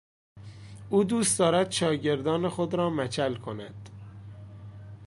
او دوست دارد شاگردان خود را مچل کند.